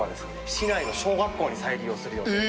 市内の小学校に再利用する予定で。